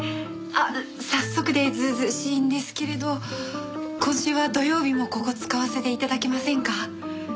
あっ早速で図々しいんですけれど今週は土曜日もここ使わせて頂けませんか？